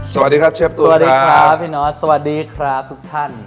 สวัสดีครับเชฟตัวสวัสดีครับพี่นอทสวัสดีครับทุกท่าน